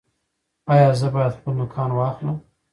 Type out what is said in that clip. ایا زه باید خپل نوکان واخلم؟